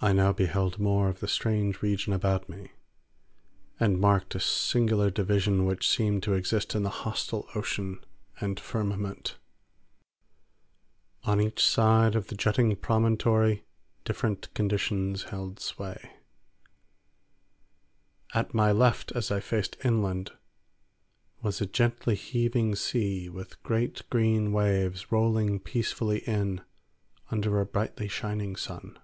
I now beheld more of the strange region about me, and marked a singular division which seemed to exist in the hostile ocean and firmament. On each side of the jutting promontory different conditions held sway. At my left as I faced inland was a gently heaving sea with great green waves rolling peacefully in under a brightly shining sun.